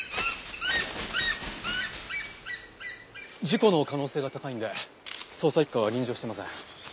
事故の可能性が高いんで捜査一課は臨場してません。